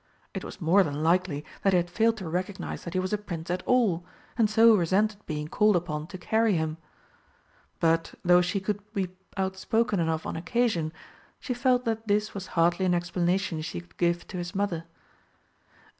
It was more than likely that they had failed to recognise that he was a Prince at all, and so resented being called upon to carry him. But, though she could be out spoken enough on occasion, she felt that this was hardly an explanation she could give to his mother.